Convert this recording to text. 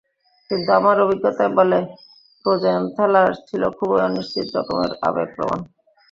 কিন্তু আমার অভিজ্ঞতায় বলে, রোজেনথ্যালার ছিল খুবই অনিশ্চিত রকমের আবেগপ্রবণ।